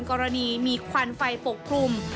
กรณีมีควันไฟปกคลุม